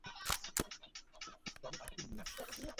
চলো আইসক্রিম নিয়ে আসি।